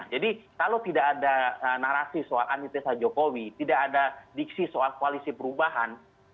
jadi kalau tidak ada narasi soal anitresa jokowi tidak ada diksi soal koalisi perubahan